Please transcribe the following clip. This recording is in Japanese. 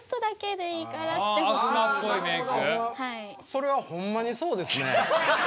それはほんまにそうですね。